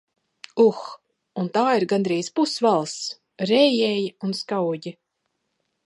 Uh... Un tā ir gandrīz pus valsts. Rējēji un skauģi.